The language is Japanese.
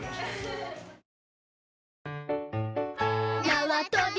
なわとび